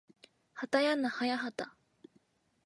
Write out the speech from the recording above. はたやなはやはた